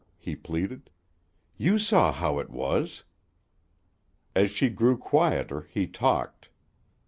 he pleaded. "You saw how it was?" As she grew quieter, he talked.